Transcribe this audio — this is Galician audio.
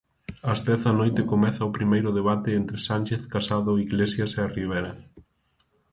Ás dez da noite comeza o primeiro debate entre Sánchez, Casado, Iglesias e Rivera.